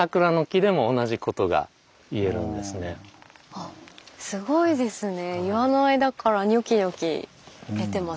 あっすごいですね。